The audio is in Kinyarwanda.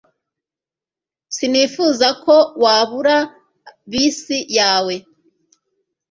Sinifuzaga ko wabura bisi yawe